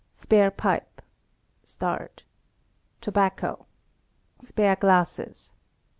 *Spare pipe. • Tobacco. '^ Spare glasses